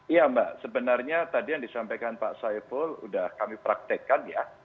iya mbak sebenarnya tadi yang disampaikan pak saiful sudah kami praktekkan ya